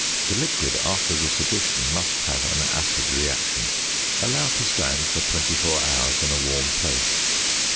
The liquid after this addition must have an acid reaction. Allow to stand for 24 hours in a warm place.